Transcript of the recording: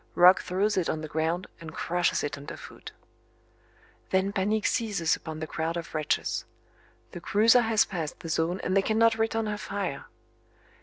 Roch throws it on the ground and crushes it under foot. Then panic seizes upon the crowd of wretches. The cruiser has passed the zone and they cannot return her fire.